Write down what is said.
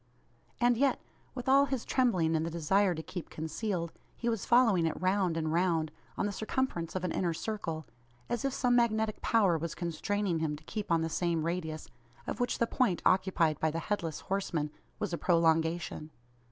And yet, with all his trembling and the desire to keep concealed, he was following it round and round, on the circumference of an inner circle, as if some magnetic power was constraining him to keep on the same radius, of which the point occupied by the Headless Horseman was a prolongation!